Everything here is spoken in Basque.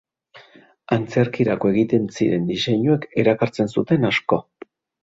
Antzerkirako egiten ziren diseinuek erakartzen zuten asko.